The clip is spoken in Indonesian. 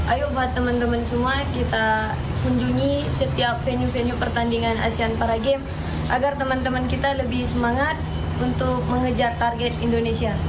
ayo buat teman teman semua kita kunjungi setiap venue venue pertandingan asean para games agar teman teman kita lebih semangat untuk mengejar target indonesia